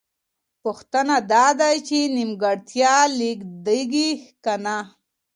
پوښتنه دا ده چې نیمګړتیا لېږدېږي که نه؟